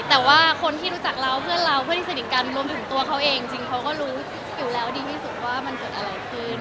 แต่ว่าคนที่รู้จักเราเพื่อนเราเพื่อนที่สนิทกันรวมถึงตัวเขาเองจริงเขาก็รู้อยู่แล้วดีที่สุดว่ามันเกิดอะไรขึ้น